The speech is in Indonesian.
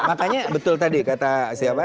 makanya betul tadi kata siapa